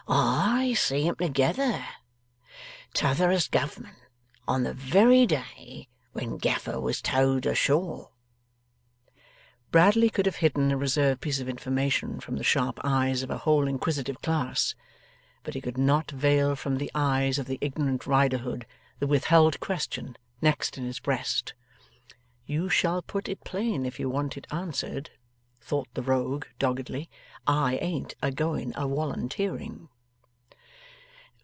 'I see 'em together, T'otherest Governor, on the very day when Gaffer was towed ashore.' Bradley could have hidden a reserved piece of information from the sharp eyes of a whole inquisitive class, but he could not veil from the eyes of the ignorant Riderhood the withheld question next in his breast. 'You shall put it plain if you want it answered,' thought the Rogue, doggedly; 'I ain't a going a wolunteering.